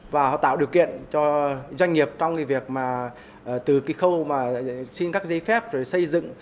và họ tạo điều kiện cho doanh nghiệp trong việc từ khâu xin các giấy phép xây dựng